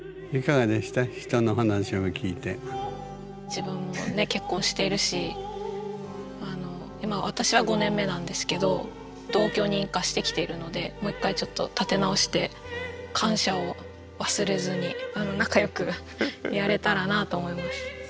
自分もね結婚しているし今私は５年目なんですけど同居人化してきているのでもう一回ちょっと立て直して感謝を忘れずに仲良くやれたらなと思います。